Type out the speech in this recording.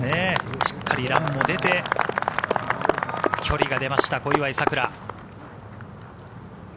しっかりランも出て、距離が出ました小祝さくら。